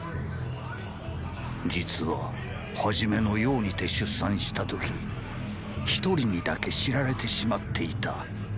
実は初めの雍にて出産した時一人にだけ知られてしまっていた。